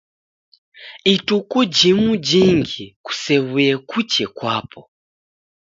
Ituku jimuJingi kusew'uye kuche kwapo.